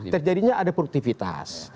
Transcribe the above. terjadinya ada produktifitas